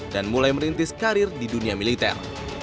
dan mulai merintis karir di dunia militer